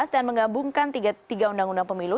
dan menggabungkan tiga undang undang pemilu